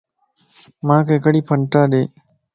مانک ھڪڙي ڦنٽا ڏي